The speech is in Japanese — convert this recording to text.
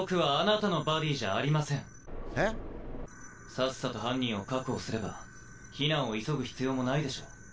さっさと犯人を確保すれば避難を急ぐ必要もないでしょ。